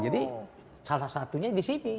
jadi salah satunya di sini